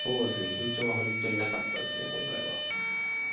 緊張は本当になかったですね、今回は。